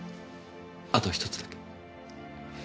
あと１つだけ。